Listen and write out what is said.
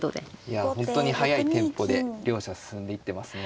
いや本当に速いテンポで両者進んでいってますね。